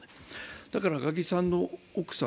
だから赤木さんの奥さん、